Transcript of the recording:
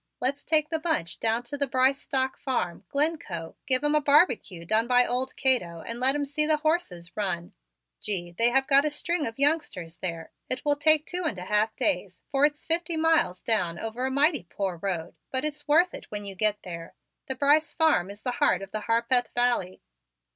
Let's take the bunch down to the Brice stock farm, Glencove, give 'em a barbecue done by old Cato and let 'em see the horses run. Gee, they have got a string of youngsters there! It will take two and a half days, for it's fifty miles down over a mighty poor road, but it's worth it when you get there. The Brice farm is the heart of the Harpeth Valley.